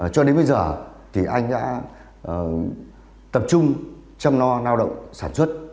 cho đến bây giờ thì anh đã tập trung chăm lo lao động sản xuất